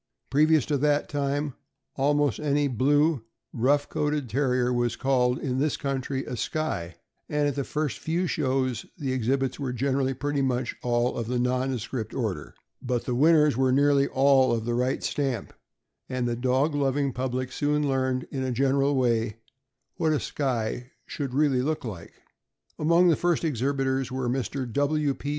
Previous to that time, almost any blue, rough coated Terrier was called, in this country, a Skye, and at the first few shows the exhibits were generally pretty much all of the nondescript order; but the winners were nearly all of the right stamp, and the dog loving public soon learned, in a general way, what a Skye should really look like. Among the first exhibitors were Mr. W. P.